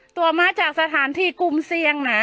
ตัวมาจากสถานที่กลุ่มเสี่ยงนะ